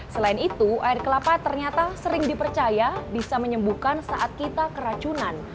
selain itu air kelapa ternyata sering dipercaya bisa menyembuhkan saat kita keracunan